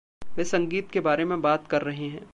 वे संगीत के बारे में बात कर रहे हैं।